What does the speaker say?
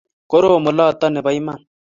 korom oloto nebo iman